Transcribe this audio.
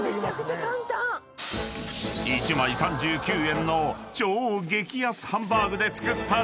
［１枚３９円の超激安ハンバーグで作った］